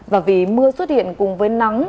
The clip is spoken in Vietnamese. và vì mưa xuất hiện cùng với nắng